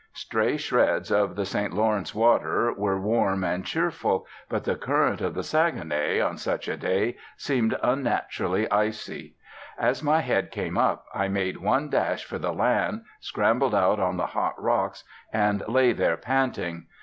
Stray shreds of the St Lawrence water were warm and cheerful. But the current of the Saguenay, on such a day, seemed unnaturally icy. As my head came up I made one dash for the land, scrambled out on the hot rocks, and lay there panting.